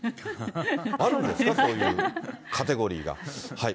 あるんですか、そういうカテゴリーが。